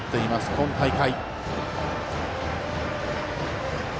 今大会。